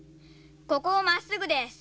ここをまっすぐです。